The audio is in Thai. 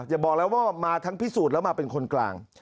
อย่าบอกแล้วว่ามาทั้งพิสูจน์แล้วมาเป็นคนกลาง